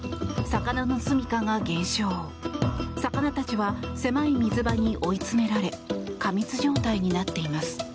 魚たちは狭い水場に追い詰められ過密状態になっています。